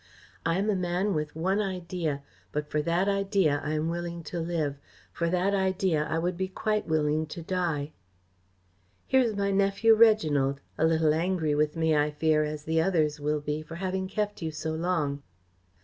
I am a man with one idea, but for that idea I am willing to live; for that idea I would be quite willing to die. Here is my nephew Reginald a little angry with me, I fear, as the others will be, for having kept you so long."